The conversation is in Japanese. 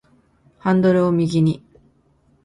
ハンドルを右に